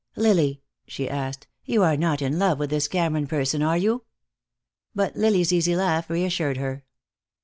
"Lily," she asked, "you are not in love with this Cameron person, are you?" But Lily's easy laugh reassured her.